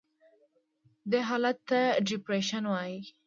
دې حالت ته Depreciation وایي.